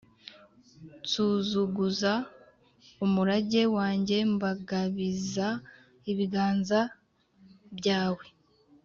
nsuzuguza umurage wanjye, mbagabiza ibiganza byawe;